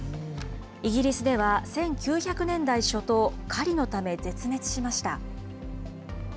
イギリスでは１９００年代初頭、狩りのため絶滅しました。